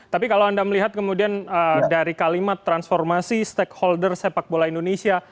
tapi kalau anda melihat kemudian dari kalimat transformasi stakeholder sepak bola indonesia